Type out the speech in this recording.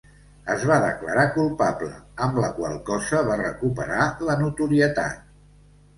Es va declarar culpable, amb la qual cosa va recuperar la notorietat.